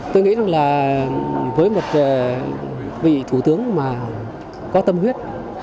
tôi nghĩ rằng là với một vị thủ tướng mà có tâm huyết